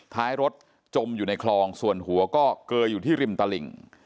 ท้ายรถจมอยู่ในคลองส่วนหัวก็เกยอยู่ที่ริมตลิ่ง